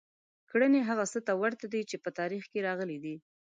کړنې هغه څه ته ورته دي چې په تاریخ کې راغلي دي.